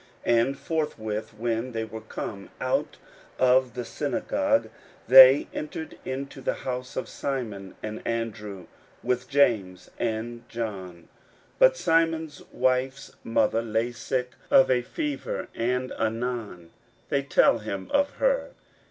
41:001:029 And forthwith, when they were come out of the synagogue, they entered into the house of Simon and Andrew, with James and John. 41:001:030 But Simon's wife's mother lay sick of a fever, and anon they tell him of her.